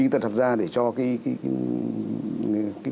người ta thật ra để cho cái